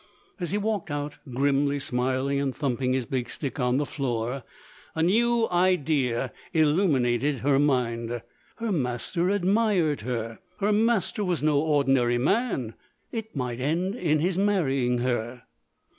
As he walked out, grimly smiling and thumping his big stick on the floor, a new idea illuminated her mind. Her master admired her; her master was no ordinary man it might end in his marrying her.